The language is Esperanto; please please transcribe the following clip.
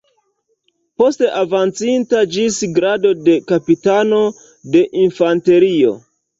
Poste avancita ĝis grado de kapitano de infanterio.